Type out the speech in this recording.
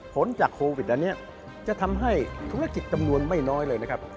จากโควิดอันนี้จะทำให้ธุรกิจจำนวนไม่น้อยเลยนะครับ